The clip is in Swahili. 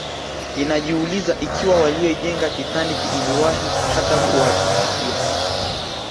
Ninajiuliza ikiwa walioijenga Titanic iliwahi hata kuwapitikia